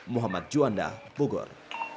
muhammad juanda bogor